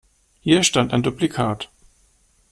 Hier stand ein Duplikat.